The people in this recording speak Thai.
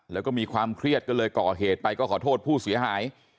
แล้วก็มีความเครียดก็เลยก่อเหตุไปก็ขอโทษผู้เสียหาย